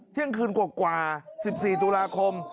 เที่ยงคืนกว่า๑๔ตุลาคม